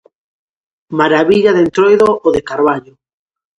Marabilla de Entroido o de Carballo!